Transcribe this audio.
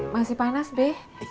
masih panas be